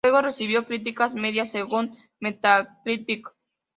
El juego recibió "críticas" medias según Metacritic.